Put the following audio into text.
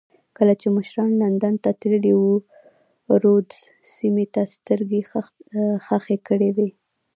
کله چې مشران لندن ته تللي وو رودز سیمې ته سترګې خښې کړې وې.